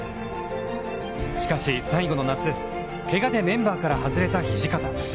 しかし最後の夏、けがでメンバーから外れた土方。